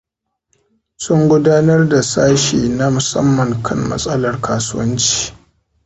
Sun gudanar da sashi na musamman kan matsalar kasuwanci.